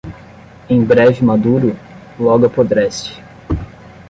Em breve maduro? logo apodrece